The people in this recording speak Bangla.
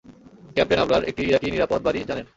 ক্যাপ্টেন আবরার একটি ইরাকি নিরাপদ বাড়ি জানেন।